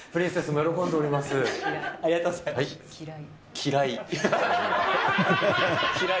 嫌い。